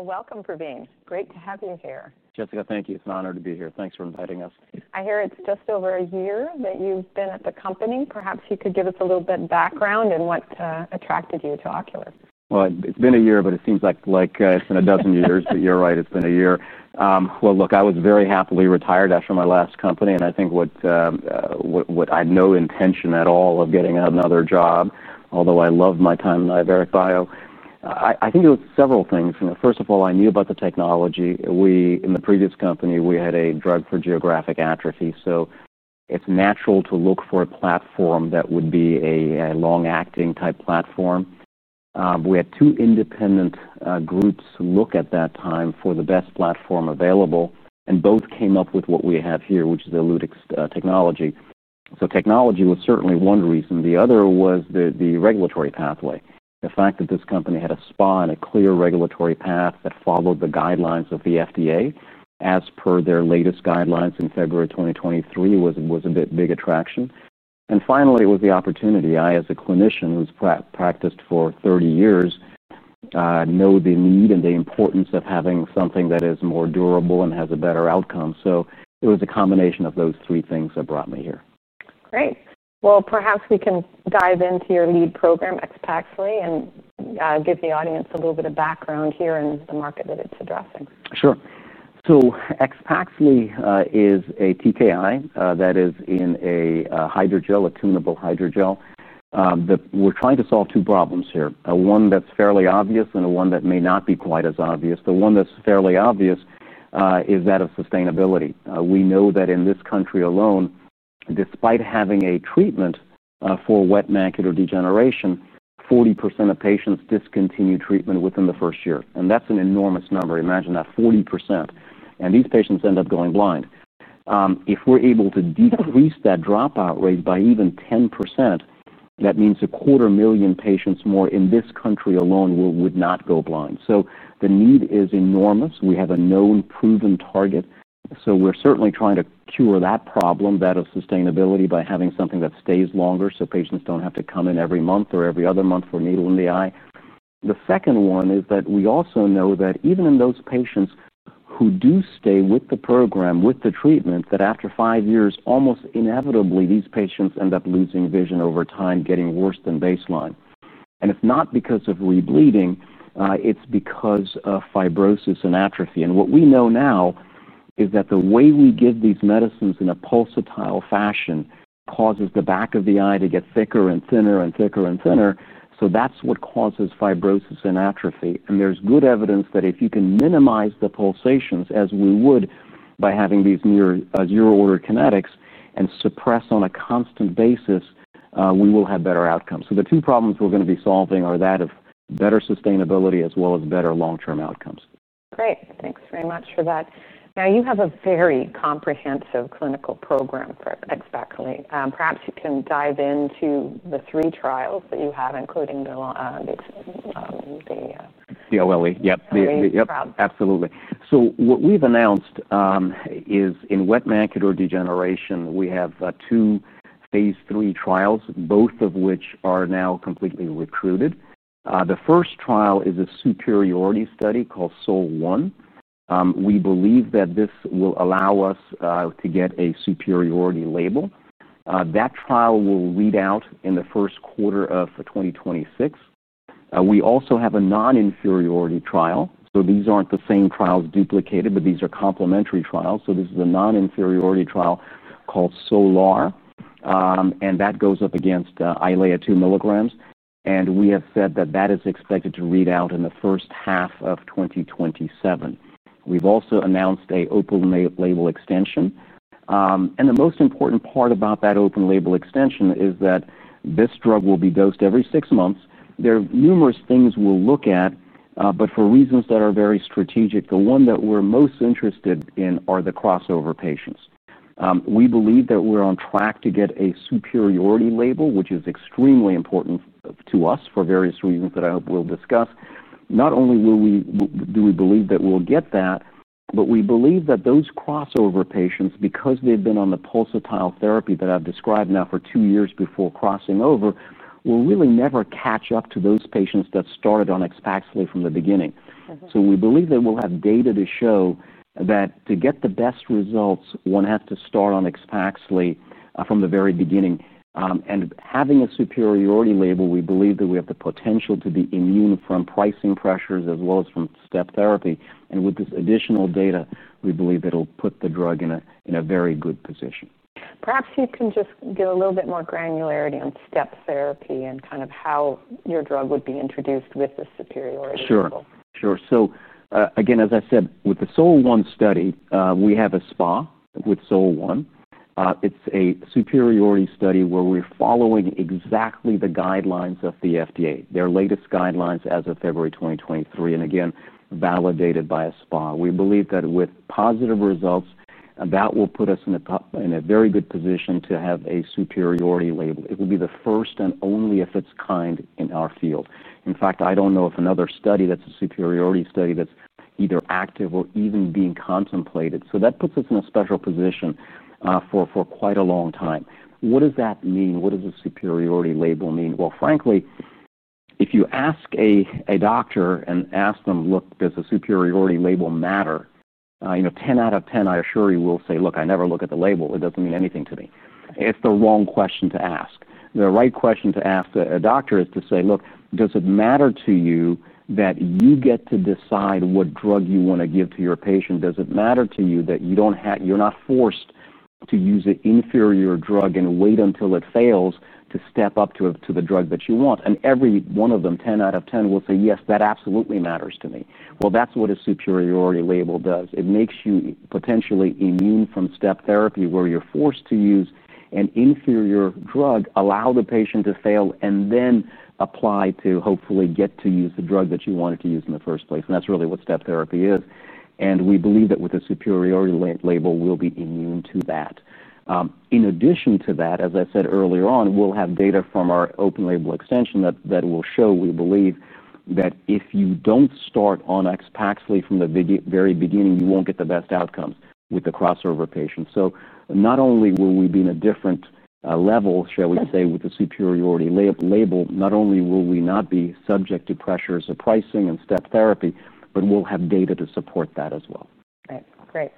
Welcome, Pravin. It's great to have you here. Jessica, thank you. It's an honor to be here. Thanks for inviting us. I hear it's just over a year that you've been at the company. Perhaps you could give us a little bit of background and what attracted you to Ocular Therapeutix? It's been a year, but it seems like it's been a dozen years. You're right, it's been a year. I was very happily retired after my last company, and I had no intention at all of getting another job, although I loved my time at Iveric Bio. I think it was several things. First of all, I knew about the technology. In the previous company, we had a drug for geographic atrophy, so it's natural to look for a platform that would be a long-acting type platform. We had two independent groups look at that time for the best platform available, and both came up with what we have here, which is the ELUTYX™ technology. Technology was certainly one reason. The other was the regulatory pathway. The fact that this company had a SPA and a clear regulatory path that followed the guidelines of the FDA as per their latest guidelines in February 2023 was a big attraction. Finally, it was the opportunity. I, as a clinician who's practiced for 30 years, know the need and the importance of having something that is more durable and has a better outcome. It was a combination of those three things that brought me here. Great. Perhaps we can dive into your lead program, AXPAXLI™, and give the audience a little bit of background here in the market that it's addressing. Sure. AXPAXLI™ is a TKI that is in a hydrogel, a tunable hydrogel. We're trying to solve two problems here. One that's fairly obvious and one that may not be quite as obvious. The one that's fairly obvious is that of sustainability. We know that in this country alone, despite having a treatment for wet age-related macular degeneration, 40% of patients discontinue treatment within the first year. That's an enormous number. Imagine that, 40%. These patients end up going blind. If we're able to decrease that dropout rate by even 10%, that means a quarter million patients more in this country alone would not go blind. The need is enormous. We have a known proven target. We're certainly trying to cure that problem, that of sustainability, by having something that stays longer so patients don't have to come in every month or every other month for a needle in the eye. The second one is that we also know that even in those patients who do stay with the program, with the treatment, after five years, almost inevitably, these patients end up losing vision over time, getting worse than baseline. It's not because of rebleeding. It's because of fibrosis and atrophy. What we know now is that the way we give these medicines in a pulsatile fashion causes the back of the eye to get thicker and thinner and thicker and thinner. That's what causes fibrosis and atrophy. There's good evidence that if you can minimize the pulsations, as we would by having these near zero order kinetics and suppress on a constant basis, we will have better outcomes. The two problems we're going to be solving are that of better sustainability as well as better long-term outcomes. Great. Thanks very much for that. Now, you have a very comprehensive clinical program at Ocular Therapeutix. Perhaps you can dive into the three trials that you have, including the. CLLE. Yep. Absolutely. What we've announced is in wet age-related macular degeneration, we have two Phase 3 trials, both of which are now completely recruited. The first trial is a superiority study called SOL1. We believe that this will allow us to get a superiority label. That trial will read out in the first quarter of 2026. We also have a non-inferiority trial. These aren't the same trials duplicated, but these are complementary trials. This is a non-inferiority trial called SOLAR, and that goes up against EYLEA® at 2 milligrams. We have said that is expected to read out in the first half of 2027. We've also announced an open-label extension. The most important part about that open-label extension is that this drug will be dosed every six months. There are numerous things we'll look at. For reasons that are very strategic, the one that we're most interested in are the crossover patients. We believe that we're on track to get a superiority label, which is extremely important to us for various reasons that I hope we'll discuss. Not only do we believe that we'll get that, but we believe that those crossover patients, because they've been on the pulsatile therapy that I've described now for two years before crossing over, will really never catch up to those patients that started on AXPAXLI™ from the beginning. We believe that we'll have data to show that to get the best results, one has to start on AXPAXLI™ from the very beginning. Having a superiority label, we believe that we have the potential to be immune from pricing pressures as well as from step therapy. With this additional data, we believe it'll put the drug in a very good position. Perhaps you can just give a little bit more granularity on step therapy and kind of how your drug would be introduced with the superiority label. Sure. So again, as I said, with the SOL1 study, we have a SPA with SOL1. It's a superiority study where we're following exactly the guidelines of the FDA, their latest guidelines as of February 2023, and again, validated by a SPA. We believe that with positive results, that will put us in a very good position to have a superiority label. It will be the first and only of its kind in our field. In fact, I don't know of another study that's a superiority study that's either active or even being contemplated. That puts us in a special position for quite a long time. What does that mean? What does the superiority label mean? Frankly, if you ask a doctor and ask them, "Look, does a superiority label matter?" You know, 10 out of 10, I assure you, will say, "Look, I never look at the label. It doesn't mean anything to me." It's the wrong question to ask. The right question to ask a doctor is to say, "Look, does it matter to you that you get to decide what drug you want to give to your patient? Does it matter to you that you don't have, you're not forced to use an inferior drug and wait until it fails to step up to the drug that you want?" Every one of them, 10 out of 10, will say, "Yes, that absolutely matters to me." That's what a superiority label does. It makes you potentially immune from step therapy where you're forced to use an inferior drug, allow the patient to fail, and then apply to hopefully get to use the drug that you wanted to use in the first place. That's really what step therapy is. We believe that with a superiority label, we'll be immune to that. In addition to that, as I said earlier on, we'll have data from our open-label extension that will show, we believe, that if you don't start on AXPAXLI™ from the very beginning, you won't get the best outcomes with the crossover patients. Not only will we be in a different level, shall we say, with the superiority label, not only will we not be subject to pressures of pricing and step therapy, but we'll have data to support that as well. Great.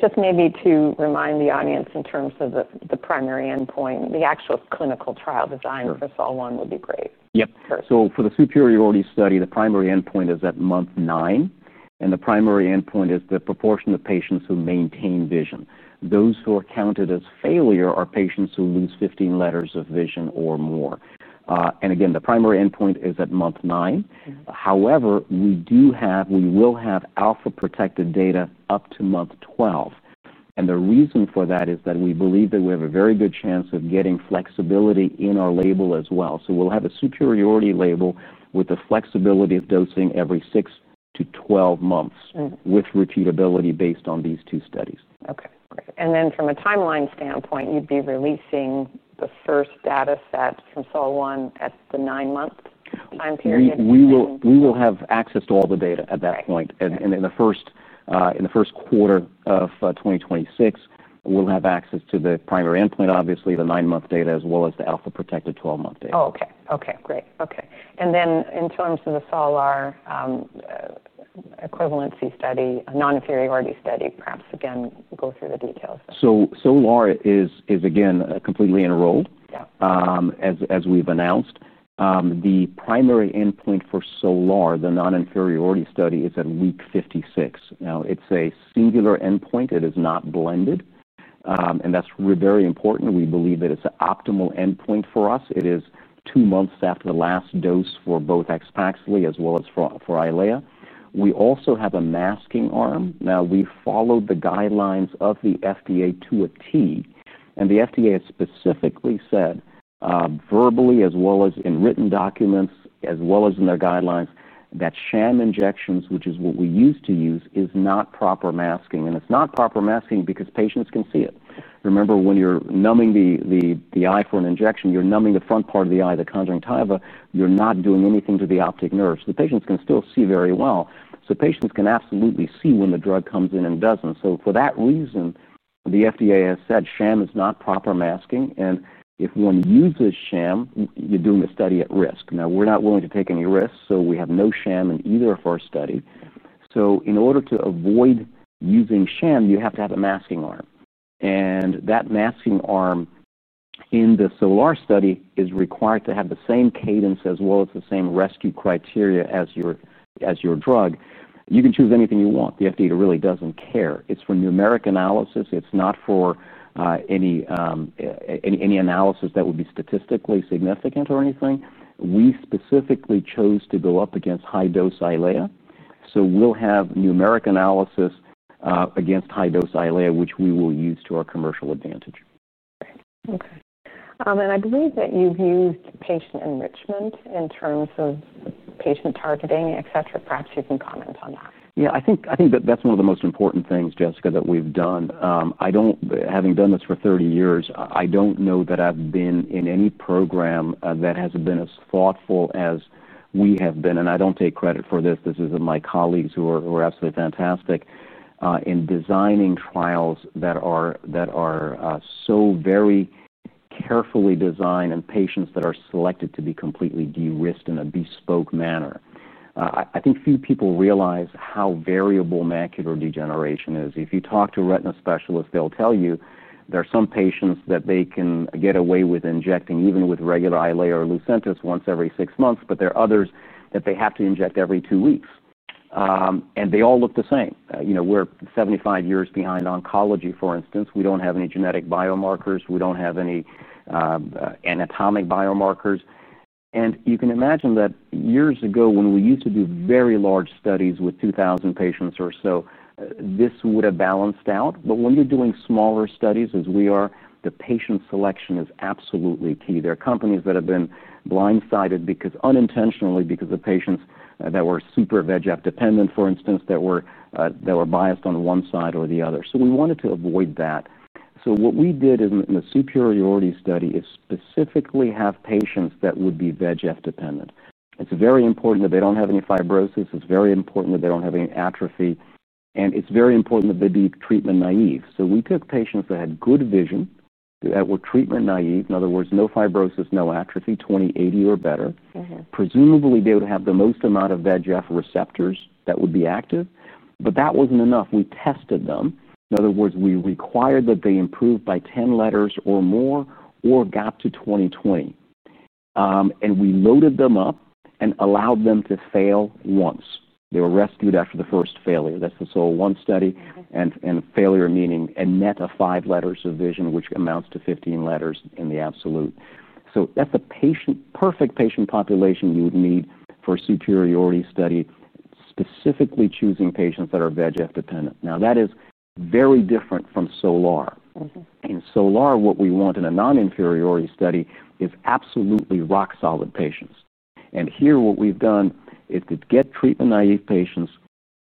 Just maybe to remind the audience in terms of the primary endpoint, the actual clinical trial design for SOL1 would be great. Yep. For the superiority study, the primary endpoint is at month nine. The primary endpoint is the proportion of patients who maintain vision. Those who are counted as failure are patients who lose 15 letters of vision or more. The primary endpoint is at month nine. However, we will have alpha protected data up to month 12. The reason for that is that we believe that we have a very good chance of getting flexibility in our label as well. We will have a superiority label with the flexibility of dosing every 6 to 12 months with repeatability based on these two studies. Okay. From a timeline standpoint, you'd be releasing the first data set from SOLAR1 at the nine-month time period? We will have access to all the data at that point. In the first quarter of 2026, we'll have access to the primary endpoint, the nine-month data as well as the alpha protected 12-month data. Okay. Great. In terms of the SOLAR equivalency study, a non-inferiority study, perhaps again, go through the details. SOLAR is, again, completely enrolled, as we've announced. The primary endpoint for SOLAR, the non-inferiority study, is at week 56. Now, it's a singular endpoint. It is not blended, and that's very important. We believe that it's an optimal endpoint for us. It is two months after the last dose for both AXPAXLI™ as well as for EYLEA®. We also have a masking arm. We followed the guidelines of the FDA to a T, and the FDA has specifically said verbally, as well as in written documents, as well as in their guidelines, that sham injections, which is what we used to use, is not proper masking. It's not proper masking because patients can see it. Remember when you're numbing the eye for an injection, you're numbing the front part of the eye, the conjunctiva. You're not doing anything to the optic nerves. The patients can still see very well, so patients can absolutely see when the drug comes in and doesn't. For that reason, the FDA has said sham is not proper masking, and if one uses sham, you're doing a study at risk. We're not willing to take any risks, so we have no sham in either of our studies. In order to avoid using sham, you have to have a masking arm, and that masking arm in the SOLAR study is required to have the same cadence as well as the same rescue criteria as your drug. You can choose anything you want. The FDA really doesn't care. It's for numeric analysis. It's not for any analysis that would be statistically significant or anything. We specifically chose to go up against high-dose EYLEA®, so we'll have numeric analysis against high-dose EYLEA®, which we will use to our commercial advantage. Okay. I believe that you've used patient enrichment in terms of patient targeting, etc. Perhaps you can comment on that. Yeah, I think that that's one of the most important things, Jessica, that we've done. Having done this for 30 years, I don't know that I've been in any program that has been as thoughtful as we have been. I don't take credit for this. This is my colleagues who are absolutely fantastic in designing trials that are so very carefully designed and patients that are selected to be completely de-risked in a bespoke manner. I think few people realize how variable macular degeneration is. If you talk to a retina specialist, they'll tell you there are some patients that they can get away with injecting even with regular ILA or Lucentis once every six months, but there are others that they have to inject every two weeks. They all look the same. You know, we're 75 years behind oncology, for instance. We don't have any genetic biomarkers. We don't have any anatomic biomarkers. You can imagine that years ago, when we used to do very large studies with 2,000 patients or so, this would have balanced out. When you're doing smaller studies, as we are, the patient selection is absolutely key. There are companies that have been blindsided unintentionally because of patients that were super VEGF dependent, for instance, that were biased on one side or the other. We wanted to avoid that. What we did in the superiority study is specifically have patients that would be VEGF dependent. It's very important that they don't have any fibrosis. It's very important that they don't have any atrophy. It's very important that they be treatment naive. We took patients that had good vision, that were treatment naive. In other words, no fibrosis, no atrophy, 20/80 or better. Presumably, they would have the most amount of VEGF receptors that would be active. That wasn't enough. We tested them. In other words, we required that they improved by 10 letters or more or got to 20/20. We loaded them up and allowed them to fail once. They were rescued after the first failure. That's the SOL1 study. Failure meaning a net of five letters of vision, which amounts to 15 letters in the absolute. That's the perfect patient population you would need for a superiority study, specifically choosing patients that are VEGF dependent. That is very different from SOLAR. In SOLAR, what we want in a non-inferiority study is absolutely rock-solid patients. Here, what we've done is to get treatment-naive patients,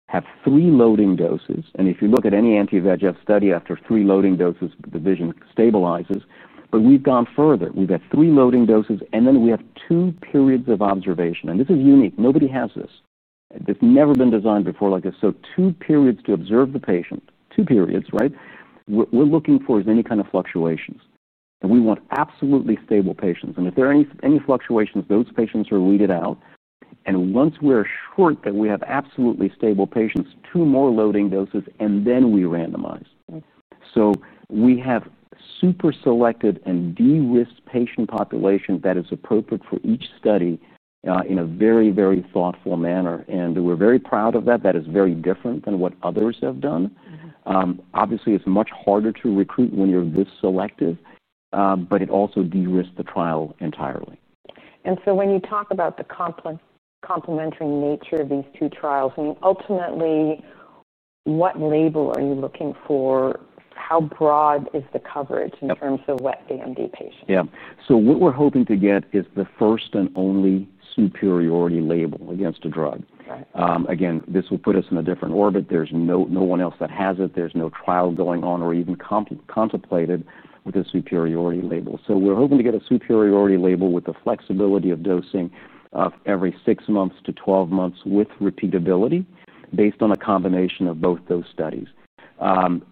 have three loading doses. If you look at any anti-VEGF study, after three loading doses, the vision stabilizes. We've gone further. We've had three loading doses, and then we have two periods of observation. This is unique. Nobody has this. It's never been designed before like this. Two periods to observe the patient. Two periods, right? What we're looking for is any kind of fluctuations. We want absolutely stable patients. If there are any fluctuations, those patients are weeded out. Once we're sure that we have absolutely stable patients, two more loading doses, and then we randomize. We have super selected and de-risked patient population that is appropriate for each study in a very, very thoughtful manner. We're very proud of that. That is very different than what others have done. Obviously, it's much harder to recruit when you're this selective, but it also de-risked the trial entirely. When you talk about the complementary nature of these two trials, I mean, ultimately, what label are you looking for? How broad is the coverage in terms of wet AMD patients? Yeah. What we're hoping to get is the first and only superiority label against a drug. This will put us in a different orbit. There's no one else that has it. There's no trial going on or even contemplated with a superiority label. We're hoping to get a superiority label with the flexibility of dosing of every 6 months to 12 months with repeatability based on a combination of both those studies.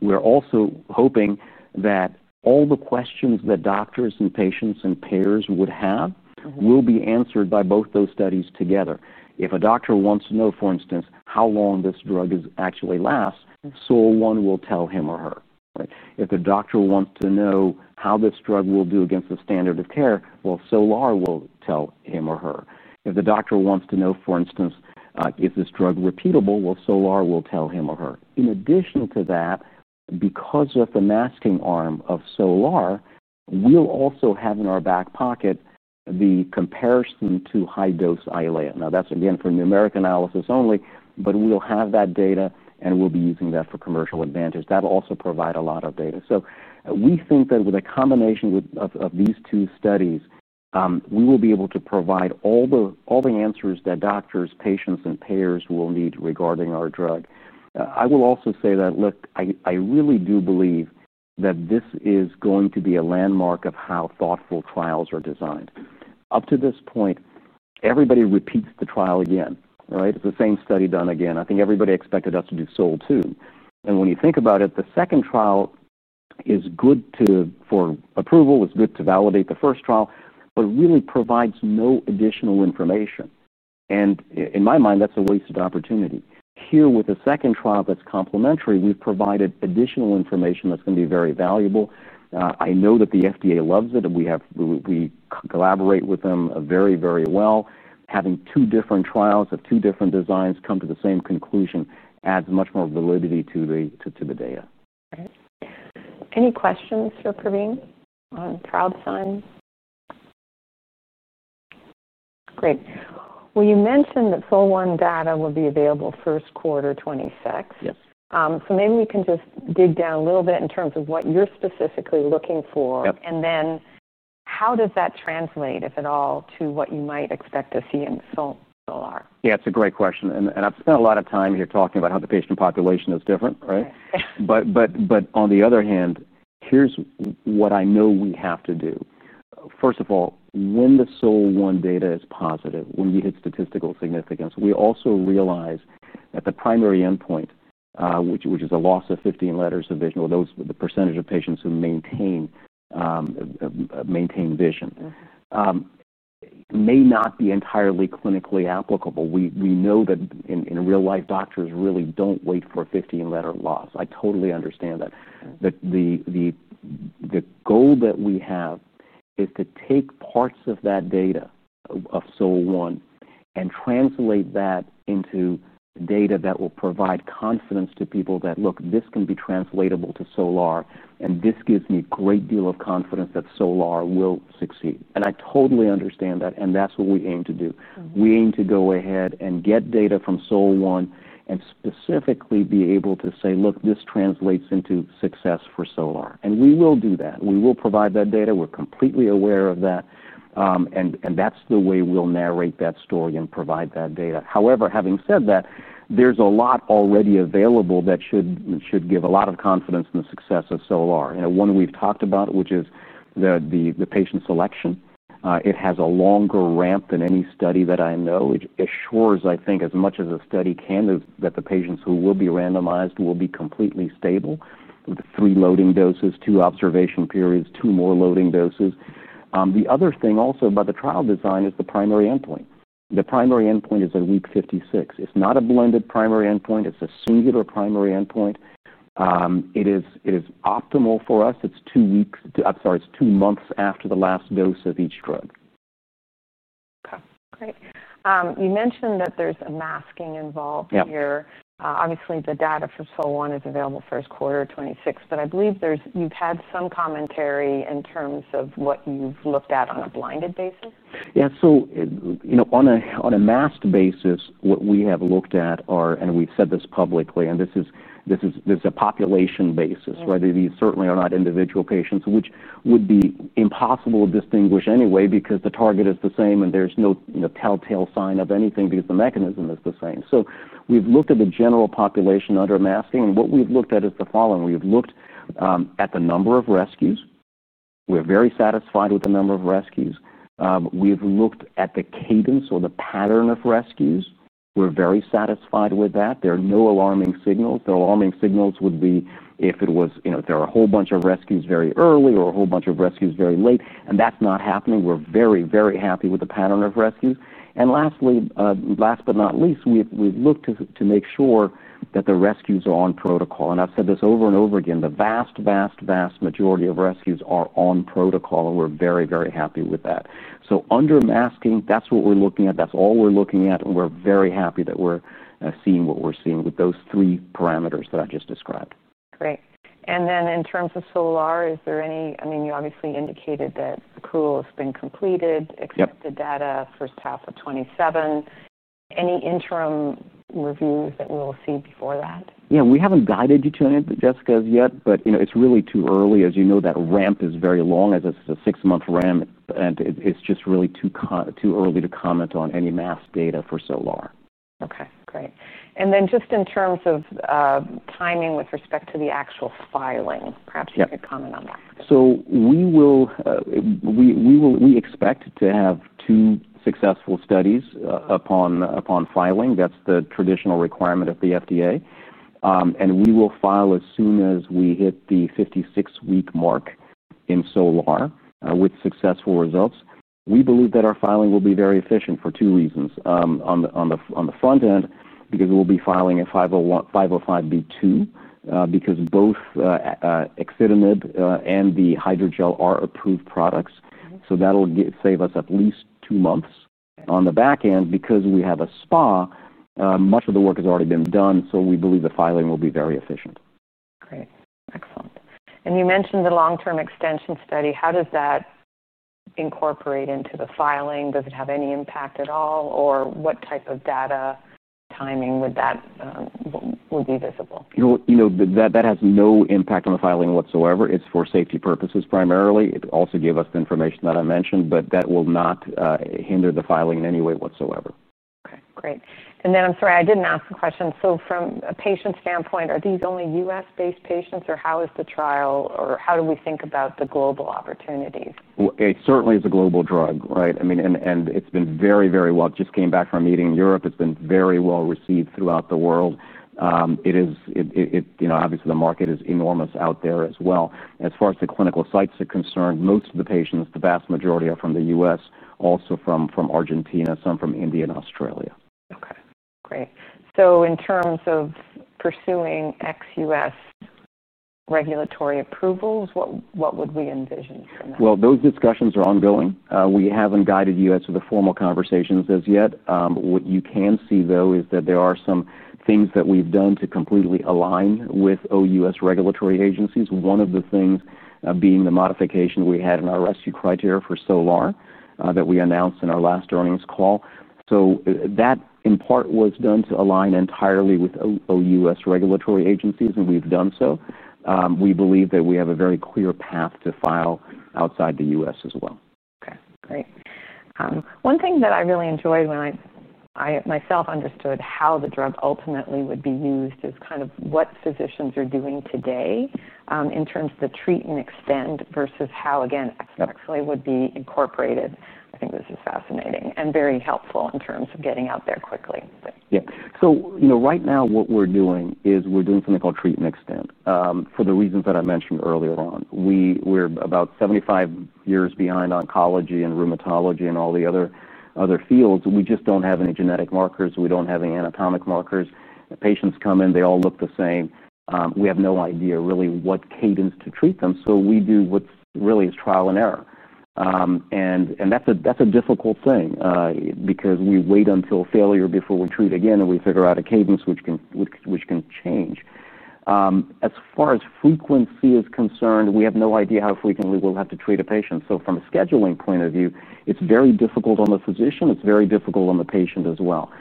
We're also hoping that all the questions that doctors, patients, and payers would have will be answered by both those studies together. If a doctor wants to know, for instance, how long this drug actually lasts, SOL1 will tell him or her. If the doctor wants to know how this drug will do against the standard of care, SOLAR will tell him or her. If the doctor wants to know, for instance, is this drug repeatable, SOLAR will tell him or her. In addition to that, because of the masking arm of SOLAR, we'll also have in our back pocket the comparison to high-dose ILAA. That's again for numeric analysis only, but we'll have that data, and we'll be using that for commercial advantage. That'll also provide a lot of data. We think that with a combination of these two studies, we will be able to provide all the answers that doctors, patients, and payers will need regarding our drug. I will also say that I really do believe that this is going to be a landmark of how thoughtful trials are designed. Up to this point, everybody repeats the trial again, right? It's the same study done again. I think everybody expected us to do SOL2. When you think about it, the second trial is good for approval, is good to validate the first trial, but really provides no additional information. In my mind, that's a wasted opportunity. Here, with the second trial that's complementary, we've provided additional information that's going to be very valuable. I know that the FDA loves it. We collaborate with them very, very well. Having two different trials of two different designs come to the same conclusion adds much more validity to the data. All right. Any questions for Pravin on trial design? Great. You mentioned that SOLAR data will be available first quarter 2026. Yes. Maybe we can just dig down a little bit in terms of what you're specifically looking for, and then how does that translate, if at all, to what you might expect to see in SOLAR? Yeah, it's a great question. I've spent a lot of time here talking about how the patient population is different, right? On the other hand, here's what I know we have to do. First of all, when the SOL1 data is positive, when we hit statistical significance, we also realize that the primary endpoint, which is a loss of 15 letters of vision, or the % of patients who maintain vision, may not be entirely clinically applicable. We know that in real life, doctors really don't wait for a 15-letter loss. I totally understand that. The goal that we have is to take parts of that data of SOL1 and translate that into data that will provide confidence to people that, look, this can be translatable to SOLAR, and this gives me a great deal of confidence that SOLAR will succeed. I totally understand that. That's what we aim to do. We aim to go ahead and get data from SOL1 and specifically be able to say, look, this translates into success for SOLAR. We will do that. We will provide that data. We're completely aware of that. That's the way we'll narrate that story and provide that data. However, having said that, there's a lot already available that should give a lot of confidence in the success of SOLAR. One we've talked about, which is the patient selection, it has a longer ramp than any study that I know. It assures, I think, as much as a study can, that the patients who will be randomized will be completely stable. Three loading doses, two observation periods, two more loading doses. The other thing also about the trial design is the primary endpoint. The primary endpoint is at week 56. It's not a blended primary endpoint. It's a singular primary endpoint. It is optimal for us. It's two weeks, I'm sorry, it's two months after the last dose of each drug. Okay. Great. You mentioned that there's a masking involved here. Obviously, the data for SOLAR is available first quarter of 2026, but I believe you've had some commentary in terms of what you've looked at on a blinded basis. Yeah. You know, on a masked basis, what we have looked at are, and we've said this publicly, and this is a population basis, right? These certainly are not individual patients, which would be impossible to distinguish anyway because the target is the same and there's no telltale sign of anything because the mechanism is the same. We have looked at the general population under masking. What we've looked at is the following. We've looked at the number of rescues. We're very satisfied with the number of rescues. We've looked at the cadence or the pattern of rescues. We're very satisfied with that. There are no alarming signals. The alarming signals would be if it was, you know, a whole bunch of rescues very early or a whole bunch of rescues very late. That's not happening. We're very, very happy with the pattern of rescue. Last but not least, we've looked to make sure that the rescues are on protocol. I've said this over and over again. The vast, vast, vast majority of rescues are on protocol, and we're very, very happy with that. Under masking, that's what we're looking at. That's all we're looking at. We're very happy that we're seeing what we're seeing with those three parameters that I just described. Great. In terms of SOLAR, is there any, I mean, you obviously indicated that accrual has been completed, expected data first half of 2027. Any interim reviews that we'll see before that? Yeah, we haven't guided you to any of the Jessicas yet, but you know it's really too early. As you know, that ramp is very long, as it's a six-month ramp, and it's just really too early to comment on any mass data for SOLAR. Okay. Great. In terms of timing with respect to the actual filing, perhaps you could comment on that. We expect to have two successful studies upon filing. That's the traditional requirement of the FDA, and we will file as soon as we hit the 56-week mark in SOLAR with successful results. We believe that our filing will be very efficient for two reasons. On the front end, because we'll be filing a 505(b)(2), because both axitinib and the hydrogel are approved products, that'll save us at least two months. On the back end, because we have a Special Protocol Assessment, much of the work has already been done, so we believe the filing will be very efficient. Great. Excellent. You mentioned the long-term extension study. How does that incorporate into the filing? Does it have any impact at all, or what type of data timing would that be visible? That has no impact on the filing whatsoever. It's for safety purposes primarily. It also gave us the information that I mentioned, but that will not hinder the filing in any way whatsoever. Great. I'm sorry, I didn't ask the question. From a patient standpoint, are these only U.S.-based patients, or how is the trial, or how do we think about the global opportunities? It certainly is a global drug, right? I mean, it's been very, very well. I just came back from a meeting in Europe. It's been very well received throughout the world. It is, you know, obviously, the market is enormous out there as well. As far as the clinical sites are concerned, most of the patients, the vast majority, are from the U.S., also from Argentina, some from India and Australia. Great. In terms of pursuing ex-U.S. regulatory approvals, what would we envision from that? Those discussions are ongoing. We haven't guided you as to the formal conversations as yet. What you can see, though, is that there are some things that we've done to completely align with OUS regulatory agencies. One of the things being the modification we had in our rescue criteria for SOLAR that we announced in our last earnings call. That, in part, was done to align entirely with OUS regulatory agencies, and we've done so. We believe that we have a very clear path to file outside the U.S. as well. Okay. Great. One thing that I really enjoyed when I myself understood how the drug ultimately would be used is kind of what physicians are doing today in terms of the treat and extend versus how, again, AXPAXLI™ would be incorporated. I think this is fascinating and very helpful in terms of getting out there quickly. Yeah. Right now, what we're doing is we're doing something called treat and extend for the reasons that I mentioned earlier on. We're about 75 years behind oncology and rheumatology and all the other fields. We just don't have any genetic markers. We don't have any anatomic markers. Patients come in, they all look the same. We have no idea really what cadence to treat them. We do what really is trial and error. That's a difficult thing because we wait until failure before we treat again, and we figure out a cadence which can change. As far as frequency is concerned, we have no idea how frequently we'll have to treat a patient. From a scheduling point of view, it's very difficult on the physician. It's very difficult on the patient as well.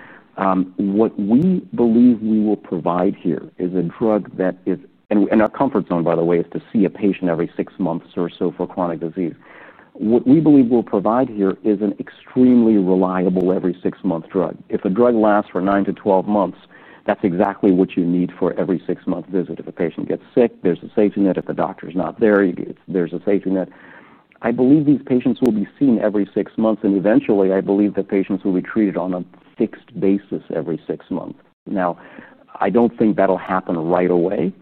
What we believe we will provide here is a drug that is in our comfort zone, by the way, is to see a patient every six months or so for chronic disease. What we believe we'll provide here is an extremely reliable every six months drug. If a drug lasts for 9 to 12 months, that's exactly what you need for every six-month visit. If a patient gets sick, there's a safety net. If the doctor's not there, there's a safety net. I believe these patients will be seen every six months, and eventually, I believe that patients will be treated on a fixed basis every six months. I don't think that'll happen right away.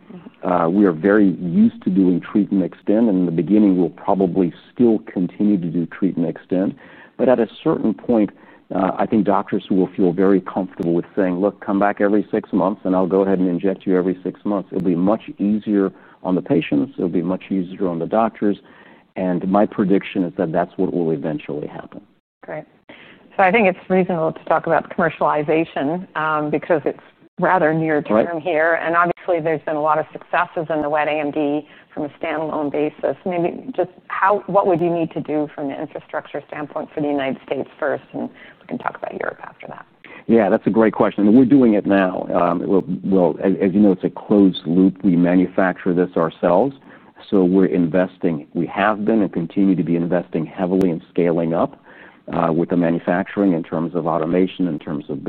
We are very used to doing treat and extend, and in the beginning, we'll probably still continue to do treat and extend. At a certain point, I think doctors will feel very comfortable with saying, "Look, come back every six months, and I'll go ahead and inject you every six months." It'll be much easier on the patients. It'll be much easier on the doctors. My prediction is that that's what will eventually happen. Great. I think it's reasonable to talk about commercialization because it's rather near the term here. Obviously, there's been a lot of successes in the wet AMD from a standalone basis. Maybe just what would you need to do from an infrastructure standpoint for the United States first, and we can talk about Europe after that. Yeah, that's a great question. We're doing it now. As you know, it's a closed loop. We manufacture this ourselves. We're investing. We have been and continue to be investing heavily in scaling up with the manufacturing in terms of automation, in terms of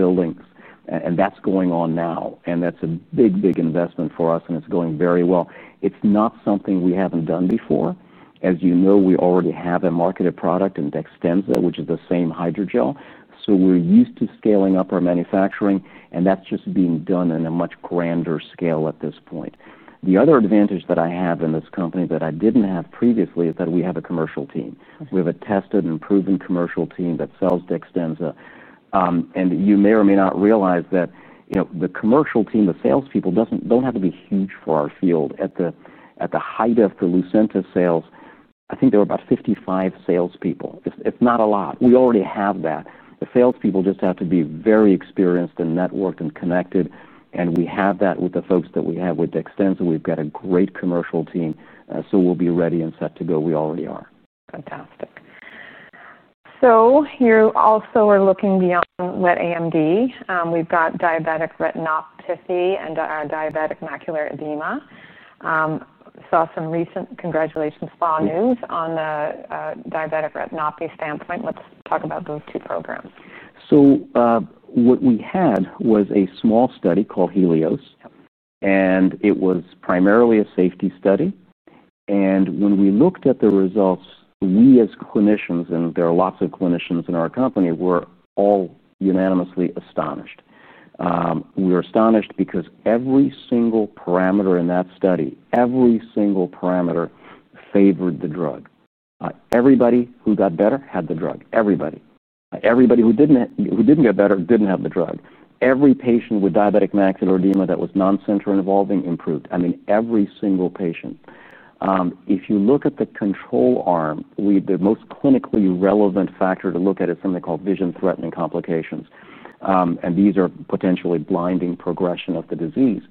buildings. That's going on now. That's a big, big investment for us, and it's going very well. It's not something we haven't done before. As you know, we already have a marketed product in DEXTENZA®, which is the same hydrogel. We're used to scaling up our manufacturing, and that's just being done in a much grander scale at this point. The other advantage that I have in this company that I didn't have previously is that we have a commercial team. We have a tested and proven commercial team that sells DEXTENZA®. You may or may not realize that the commercial team, the salespeople don't have to be huge for our field. At the height of the Lucentis sales, I think there were about 55 salespeople. It's not a lot. We already have that. The salespeople just have to be very experienced and networked and connected. We have that with the folks that we have with DEXTENZA®. We've got a great commercial team. We'll be ready and set to go. We already are. Fantastic. Here also we're looking beyond wet AMD. We've got diabetic retinopathy and diabetic macular edema. Saw some recent congratulations SPA news on the diabetic retinopathy standpoint. Let's talk about those two programs. What we had was a small study called Helios, and it was primarily a safety study. When we looked at the results, we as clinicians, and there are lots of clinicians in our company, were all unanimously astonished. We were astonished because every single parameter in that study, every single parameter favored the drug. Everybody who got better had the drug. Everybody. Everybody who didn't get better didn't have the drug. Every patient with diabetic macular edema that was non-center involving improved. I mean, every single patient. If you look at the control arm, the most clinically relevant factor to look at is something called vision-threatening complications. These are potentially blinding progression of the disease.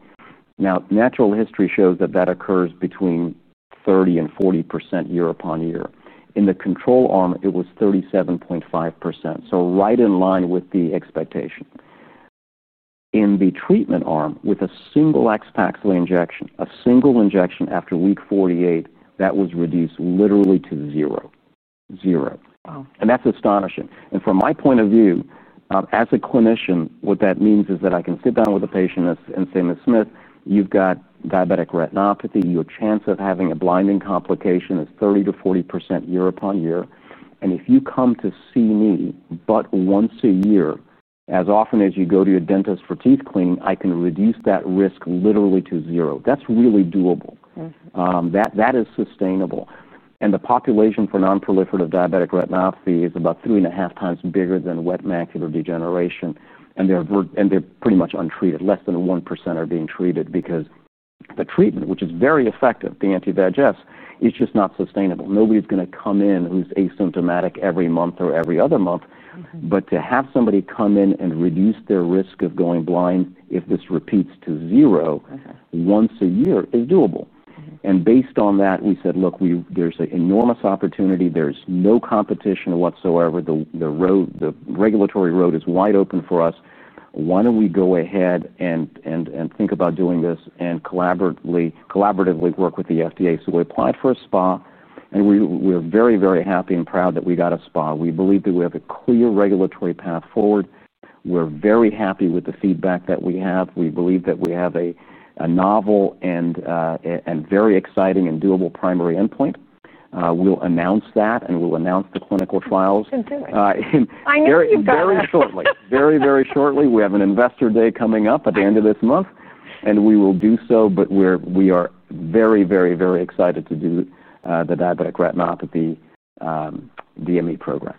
Natural history shows that that occurs between 30% and 40% year upon year. In the control arm, it was 37.5%, so right in line with the expectation. In the treatment arm, with a single AXPAXLI™ injection, a single injection after week 48, that was reduced literally to zero. Zero. Wow. That's astonishing. From my point of view, as a clinician, what that means is that I can sit down with a patient and say, "Ms. Smith, you've got diabetic retinopathy. Your chance of having a blinding complication is 30% to 40% year upon year. If you come to see me but once a year, as often as you go to your dentist for teeth cleaning, I can reduce that risk literally to zero." That's really doable. That is sustainable. The population for nonproliferative diabetic retinopathy is about 3.5 times bigger than wet macular degeneration, and they're pretty much untreated. Less than 1% are being treated because the treatment, which is very effective, the anti-VEGFs, is just not sustainable. Nobody's going to come in who's asymptomatic every month or every other month. To have somebody come in and reduce their risk of going blind if this repeats to zero once a year is doable. Based on that, we said, "Look, there's an enormous opportunity. There's no competition whatsoever. The regulatory road is wide open for us. Why don't we go ahead and think about doing this and collaboratively work with the FDA?" We applied for a Special Protocol Assessment, and we're very, very happy and proud that we got a Special Protocol Assessment. We believe that we have a clear regulatory path forward. We're very happy with the feedback that we have. We believe that we have a novel and very exciting and doable primary endpoint. We'll announce that, and we'll announce the clinical trials. You can do it. Very, very shortly. We have an investor day coming up at the end of this month, and we will do so, but we are very, very, very excited to do the diabetic retinopathy DME program.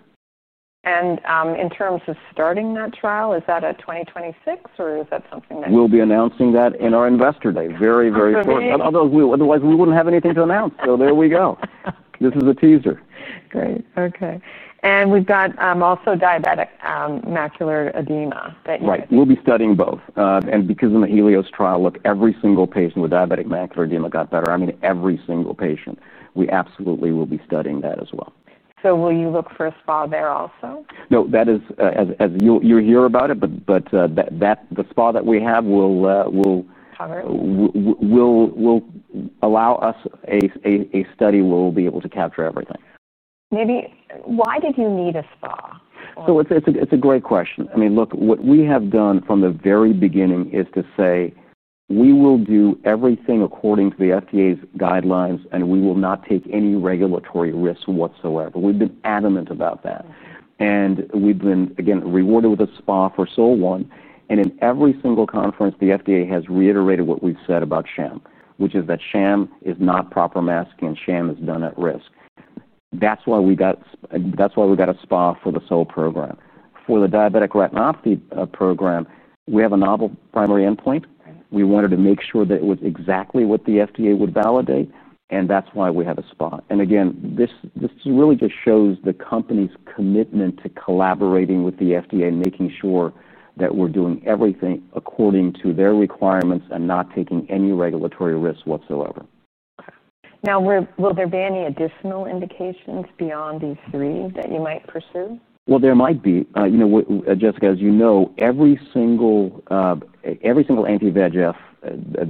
In terms of starting that trial, is that a 2026, or is that something that? We'll be announcing that in our investor day very, very shortly. Otherwise, we wouldn't have anything to announce. There we go. This is a teaser. Great. Okay. We've got also diabetic macular edema that you're. Right. We will be studying both. Because in the Helios trial, every single patient with diabetic macular edema got better. I mean, every single patient. We absolutely will be studying that as well. Will you look for a Special Protocol Assessment there also? No, that is as you hear about it, but the SPA that we have will. Allow us a study where we'll be able to capture everything. Maybe why did you need a SPA? It's a great question. I mean, look, what we have done from the very beginning is to say we will do everything according to the FDA's guidelines, and we will not take any regulatory risks whatsoever. We've been adamant about that, and we've been, again, rewarded with a SPA for SOL1. In every single conference, the FDA has reiterated what we've said about sham, which is that sham is not proper masking and sham is done at risk. That's why we got a SPA for the SOL program. For the diabetic retinopathy program, we have a novel primary endpoint. We wanted to make sure that it was exactly what the FDA would validate, and that's why we had a SPA. This really just shows the company's commitment to collaborating with the FDA and making sure that we're doing everything according to their requirements and not taking any regulatory risks whatsoever. Now, will there be any additional indications beyond these three that you might pursue? You know, Jessica, as you know, every single anti-VEGF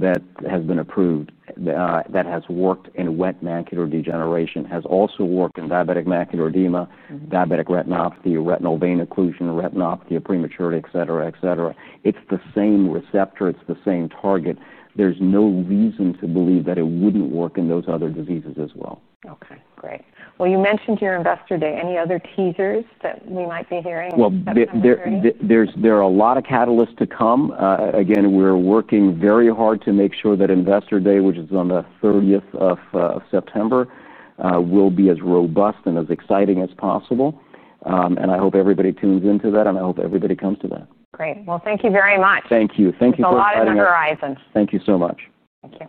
that has been approved that has worked in wet age-related macular degeneration has also worked in diabetic macular edema, diabetic retinopathy, retinal vein occlusion, retinopathy of prematurity, etc., etc. It's the same receptor. It's the same target. There's no reason to believe that it wouldn't work in those other diseases as well. Okay. Great. You mentioned your investor day. Any other teasers that we might be hearing? There are a lot of catalysts to come. Again, we're working very hard to make sure that investor day, which is on the 30th of September, will be as robust and as exciting as possible. I hope everybody tunes into that, and I hope everybody comes to that. Great. Thank you very much. Thank you. Thank you for allowing me. It's a lot on the horizon. Thank you so much. Thank you.